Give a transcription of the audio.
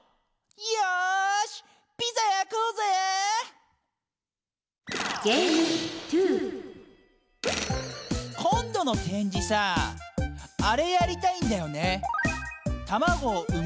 よしピザやこうぜ！今度のてんじさああれやりたいんだよね。